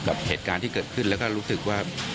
กับเหตุการณ์ที่เกิดขึ้นแล้วก็รู้สึกว่า